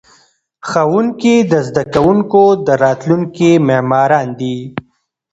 ښوونکي د زده کوونکو د راتلونکي معماران دي.